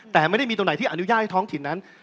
แต่ไม่ได้มีตรงไหนที่อนุญาตให้ท้องถิ่นนั้น